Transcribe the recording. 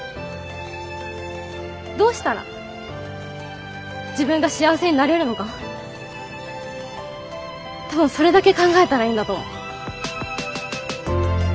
どうしたら自分が幸せになれるのか多分それだけ考えたらいいんだと思う。